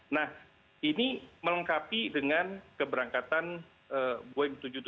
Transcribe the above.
nah ini melengkapi dengan keberangkatan boeing tujuh ratus tujuh puluh tujuh